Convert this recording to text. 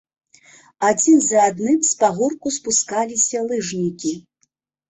Адзін за адным з пагорку спускаліся лыжнікі.